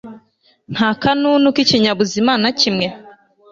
nta kanunu k'ikinyabuzima nakimwe